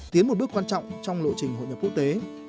tiến một bước quan trọng trong lộ trình hội nhập quốc tế